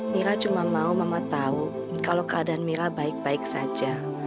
mira cuma mau mama tahu kalau keadaan mira baik baik saja